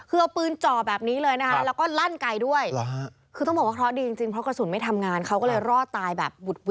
แล้วเจ้าหวะนัดส่งของกันนะคะ